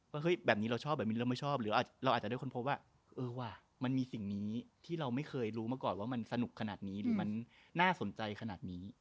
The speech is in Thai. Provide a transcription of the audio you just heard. เฮ้ยแบบนี้เราชอบแบบนี้เราไม่ชอบหรือเราอาจจะได้ค้นพบว่าเออว่ะมันมีสิ่งนี้ที่เราไม่เคยรู้มาก่อนว่ามันสนุกขนาดนี้หรือมันน่าสนใจขนาดนี้